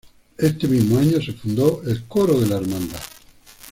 Este mismo año se fundó el coro de la Hermandad.